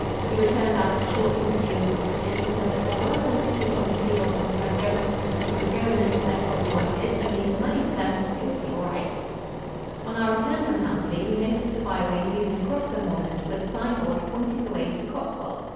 He returned after a short interview in the cottage and said that there were some pictures on a table in the front room and if we would go in and select what we wanted and leave the money for them it would be all right. [Illustration: OLD COTTAGES AT COCKINGTON.] On our return from Helmsley, we noticed a byway leading across the moorland with a sign board pointing the way "to Coxwold."